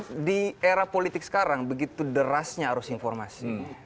simple di era politik sekarang begitu derasnya harus informasi